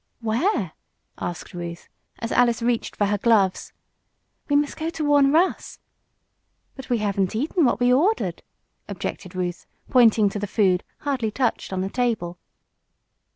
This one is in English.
"Where?" asked Ruth, as Alice reached for her gloves. "We must go to warn Russ." "But we haven't eaten what we ordered," objected Ruth, pointing to the food, hardly touched, on the table.